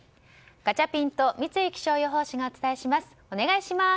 ガチャピンと三井気象予報士がお伝えします、お願いします。